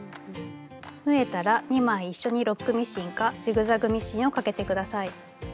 縫えたら２枚一緒にロックミシンかジグザグミシンをかけて下さい。